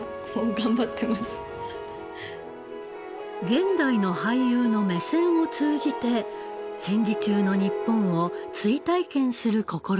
現代の俳優の目線を通じて戦時中の日本を追体験する試み。